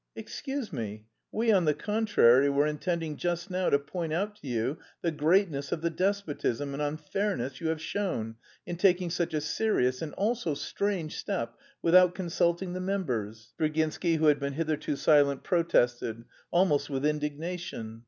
"Excuse me, we, on the contrary, were intending just now to point out to you the greatness of the despotism and unfairness you have shown in taking such a serious and also strange step without consulting the members," Virginsky, who had been hitherto silent, protested, almost with indignation.